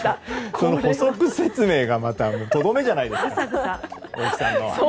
その補足説明がまたとどめじゃないですか。